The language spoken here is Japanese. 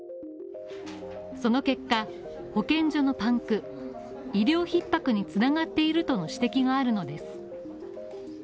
その結果、保健所のパンク、医療逼迫に繋がっているとの指摘があるのです。